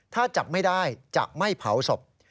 ถ้าจับไม่ได้จะไม่เผาศพ